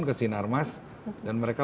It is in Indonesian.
ke sinarmas dan mereka